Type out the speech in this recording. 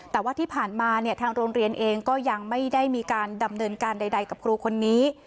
แต่ว่าที่ผ่านมาเนี่ยทางโรงเรียนเองก็ยังไม่ได้มีการดำเนินการใดกับครูคนนี้